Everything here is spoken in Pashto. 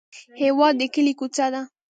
هېواد د کلي کوڅه ده.